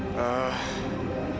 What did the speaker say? bagaimana ini saudaraku